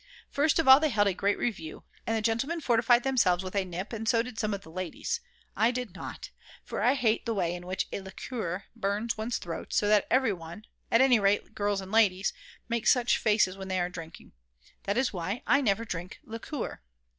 First of all they held a great review, and the gentlemen fortified themselves with a nip and so did some of the ladies; I did not, for I hate the way in which a liqueur burns one's throat so that every one, at any rate girls and ladies, make such faces when they are drinking, that is why I never drink liqueur.